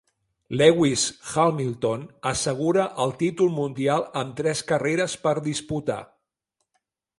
Lewis Hamilton assegura el títol mundial amb tres carreres per disputar.